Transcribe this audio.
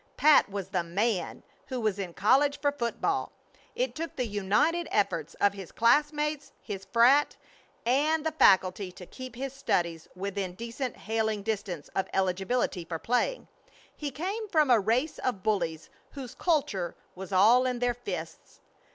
Pat was the "man" who was in college for football. It took the united efforts of his classmates, his frat., and the faculty to keep his studies within decent hailing distance of eligibility for playing. He came from a race of bullies whose culture was all in their fists.